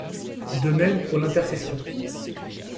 De même pour l'intersection.